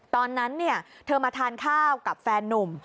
ตอนนั้นเธอมาทานข้าวกับแฟนนุ่ม